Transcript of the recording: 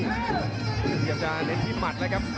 ตอบถึงเก็บแค่ที่หมัดแล้วครับ